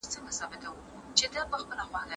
چي لاپي مو د تورو او جرګو ورته کولې